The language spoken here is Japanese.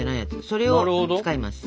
それを使います。